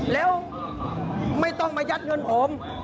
แล้วไม่ต้องมายัดเงินผม